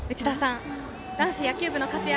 男子野球部の活躍